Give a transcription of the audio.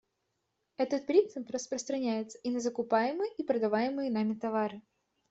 Этот принцип распространяется и на закупаемые и продаваемые нами товары.